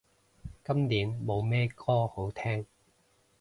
今年冇咩歌好聼